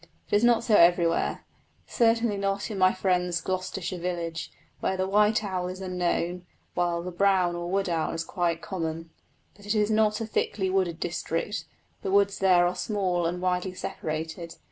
It is not so everywhere, certainly not in my friend's Gloucestershire village, where the white owl is unknown, while the brown or wood owl is quite common. But it is not a thickly wooded district; the woods there are small and widely separated.